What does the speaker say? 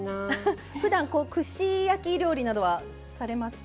ふだん串焼き料理などはされますか？